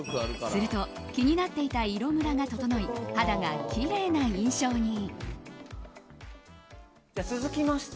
すると、気になっていた色ムラが整い肌がきれいな印象に。